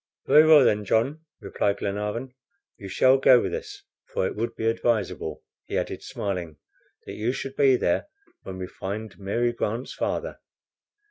"Very well then, John," replied Glenarvan. "You shall go with us, for it would be advisable," he added, smiling, "that you should be there when we find Mary Grant's father."